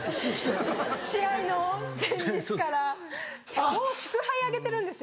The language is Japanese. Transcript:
試合の前日からもう祝杯挙げてるんですよ。